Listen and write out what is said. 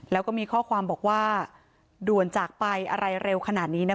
แล้วก็มีข้อความบอกว่าด่วนจากไปอะไรเร็วขนาดนี้นะ